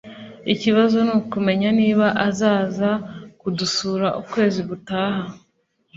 ikibazo nukumenya niba azaza kudusura ukwezi gutaha